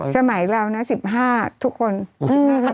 สมัยเราน่ะ๑๕ทุกคน